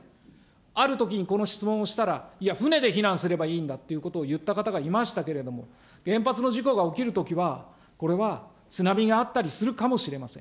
あるときにこの質問をしたら、いや、船で避難すればいいんだということを言った方がいましたけれども、原発の事故が起きるときは、これは、津波があったりするかもしれません。